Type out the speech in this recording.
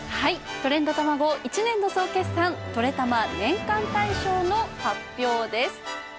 「トレンドたまご」一年の総決算「トレたま年間大賞」の発表です。